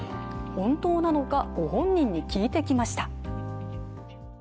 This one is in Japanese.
本当なのか、ご本人に聞いてきました。